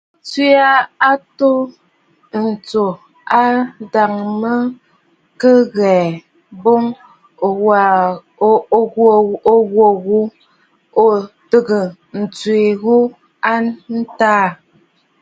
Ò bə tswe a atoo ɨ tuu a ndâmanjɔŋ kɨ ghɛ̀ɛ̀ boŋ ò kwo ghu ò tɨgə̀ ntswe ghu a ntàà.